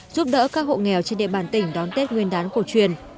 giúp đỡ các hộ nghèo trên địa bàn tỉnh đón tết nguyên đán cổ truyền